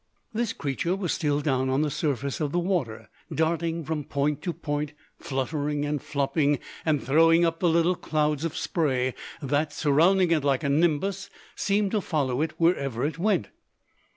This creature was still down on the surface of the water, darting from point to point, fluttering and flopping, and throwing up the little clouds of spray, that, surrounding it like a nimbus, seemed to follow it wherever it went!